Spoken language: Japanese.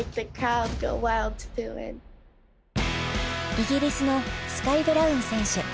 イギリスのスカイ・ブラウン選手。